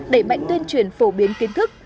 để mạnh tuyên truyền phổ biến kiến thức